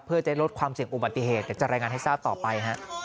เพื่อจะลดความเสี่ยงอุบัติเหตุเดี๋ยวจะรายงานให้ทราบต่อไป